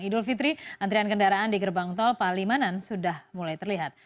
idul fitri antrian kendaraan di gerbang tol palimanan sudah mulai terlihat